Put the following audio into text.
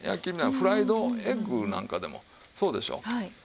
フライドエッグなんかでもそうでしょう。